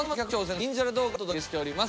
ニンジャラ動画をお届けしております。